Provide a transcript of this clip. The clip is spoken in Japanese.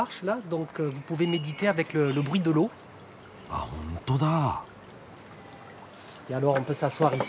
あっほんとだ。